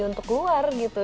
untuk keluar gitu